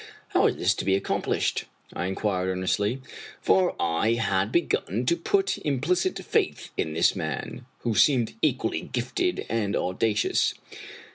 " How is this to be accomplished ?" I inquired earnestly, for I had begun to put implicit faith in this man, who seemed equally gifted and audacious.